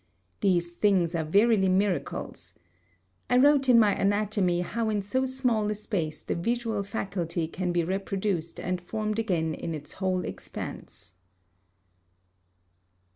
These things are verily miracles! I wrote in my Anatomy how in so small a space the visual faculty can be reproduced and formed again in its whole expanse.